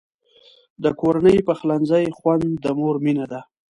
د کورني پخلنځي خوند د مور مینه ده.